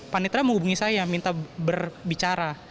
panitra menghubungi saya minta berbicara